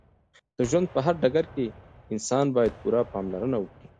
د ژوند په هر ډګر کې انسان باید پوره پاملرنه وکړې